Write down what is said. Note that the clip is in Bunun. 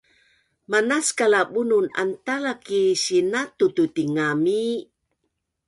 Manaskal a bunun antala ki sinatu tu tingami